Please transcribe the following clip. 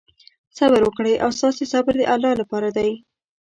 صبر وکړئ او ستاسې صبر د الله لپاره دی.